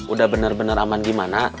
udah bener bener aman gimana